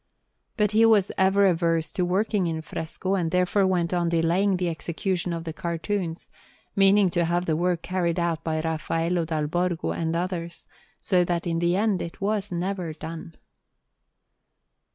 But he was ever averse to working in fresco, and therefore went on delaying the execution of the cartoons, meaning to have the work carried out by Raffaello dal Borgo and others, so that in the end it was never done.